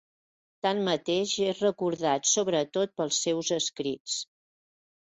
Tanmateix és recordat sobretot pels seus escrits.